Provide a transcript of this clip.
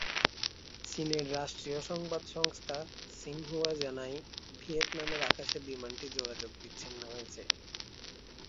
চীনের রাষ্ট্রীয় সংবাদ সংস্থা সিনহুয়া জানায়, ভিয়েতনামের আকাশে বিমানটি যোগাযোগ বিচ্ছিন্ন হয়েছে।